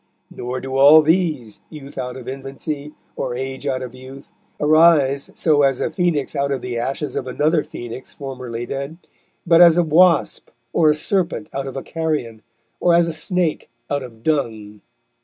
Nor do all these, youth out of infancy, or age out of youth, arise so as a Phoenix out of the ashes of another Phoenix formerly dead, but as a wasp or a serpent out of a carrion or as a snake out of dung."